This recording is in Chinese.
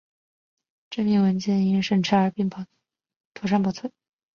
证明文件应经审查并妥善保存